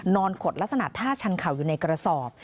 ขดลักษณะท่าชันเข่าอยู่ในกระสอบ